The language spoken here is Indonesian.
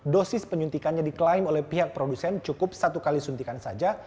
dosis penyuntikannya diklaim oleh pihak produsen cukup satu kali suntikan saja